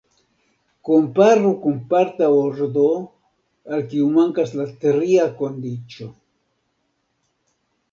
Komparu kun parta ordo, al kiu mankas la tria kondiĉo.